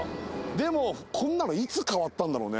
でもこんなのいつ変わったんだろうね。